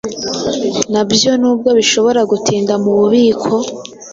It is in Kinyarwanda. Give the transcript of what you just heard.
na byo n’ubwo bishobora gutinda mu bubiko,